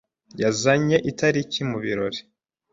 yazanye itariki mubirori.